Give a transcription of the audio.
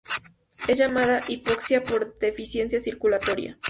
Es llamada "hipoxia por deficiencia circulatoria".